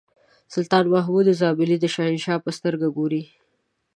سلطان محمود زابلي د شهنشاه په سترګه ګوري.